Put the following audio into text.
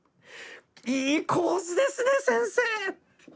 いい構図ですね先生！」。